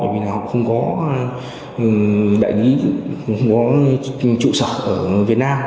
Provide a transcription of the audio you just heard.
vì không có đại lý không có trụ sở ở việt nam